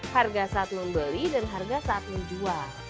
harga saat membeli dan harga saat menjual